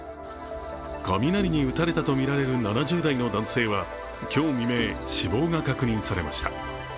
雷に打たれたとみられる７０代の男性は今日未明、死亡が確認されました。